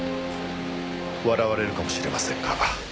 笑われるかもしれませんが。